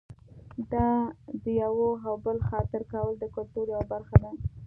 د یوه او بل خاطر کول د کلتور یوه برخه ده.